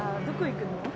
どこ行くの？